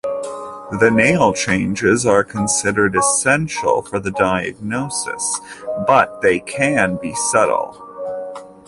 The nail changes are considered essential for the diagnosis, but they can be subtle.